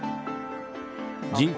人口